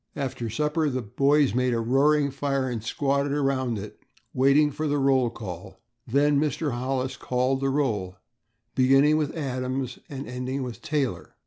After supper the boys made a roaring fire and squatted around it, waiting for the roll call. Then Mr. Hollis called the roll, beginning with Adams and ending with Taylor.